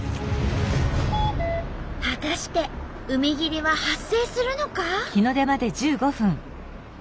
果たして海霧は発生するのか？